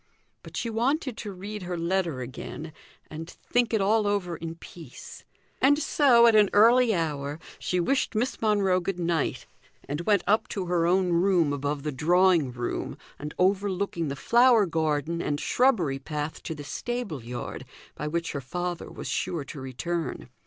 But she wanted to read her letter again, and think it all over in peace; and so, at an early hour, she wished Miss Monro good night, and went up into her own room above the drawing room, and overlooking the flower garden and shrubbery path to the stable yard, by which her father was sure to return.